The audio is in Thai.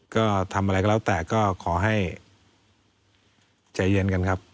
ก็ทำอะไรก็แล้วแต่ก็ขอให้ใจเย็นกันครับ